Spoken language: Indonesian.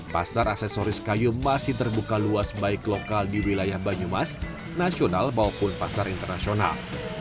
pasar aksesoris kayu masih terbuka luas baik lokal di wilayah banyumas nasional maupun pasar internasional